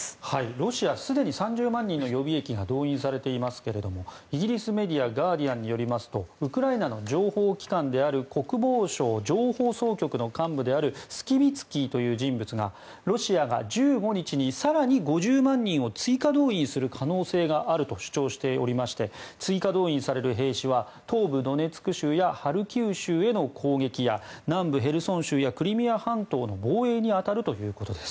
ロシアはすでに３０万人の予備役が動員されていますけれどもイギリスメディアガーディアンによりますとウクライナの情報機関である国防省情報総局の幹部であるスキビツキーという人物がロシアが１５日に更に５０万人を追加動員する可能性があると主張しておりまして追加動員される兵士は東部ドネツク州やハルキウ州への攻撃や南部へルソン州やクリミア半島の防衛に当たるということです。